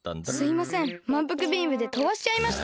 まんぷくビームでとばしちゃいました。